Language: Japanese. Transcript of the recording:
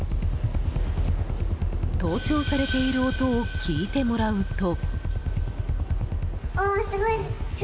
盗聴されている音を聞いてもらうと。